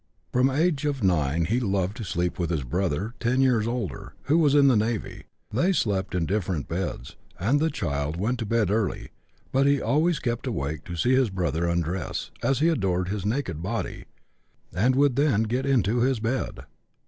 From the age of 9 he loved to sleep with his brother, ten years older, who was in the navy; they slept in different beds, and the child went to bed early, but he always kept awake to see his brother undress, as he adored his naked body; and would then get into his bed.